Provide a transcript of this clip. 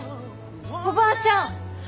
おばあちゃん！